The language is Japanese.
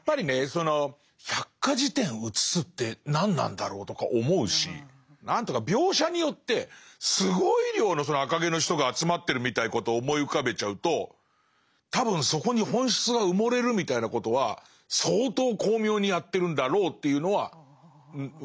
その百科事典を写すって何なんだろうとか思うし何ていうのか描写によってすごい量のその赤毛の人が集まってるみたいなことを思い浮かべちゃうと多分そこに本質が埋もれるみたいなことは相当巧妙にやってるんだろうというのは分かります。